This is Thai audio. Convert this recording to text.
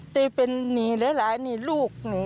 จะเป็นหนีหลายหนีลูก